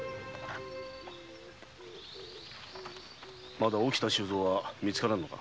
まだ沖田収蔵は見つからぬのか。